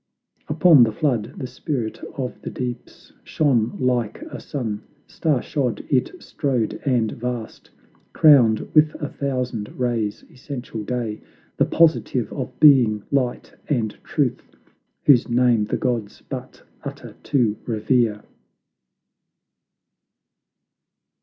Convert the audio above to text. Upon the flood the Spirit of the Deeps Shone like a sun; star shod it strode and vast, Crowned with a thousand rays; Essential Day, The positive of being, Light and Truth, Whose name the gods but utter to revere!